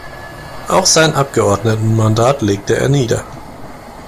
Auch sein Abgeordnetenmandat legte er nieder.